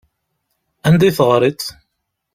Anda i teɣriḍ?